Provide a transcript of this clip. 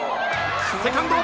セカンド！］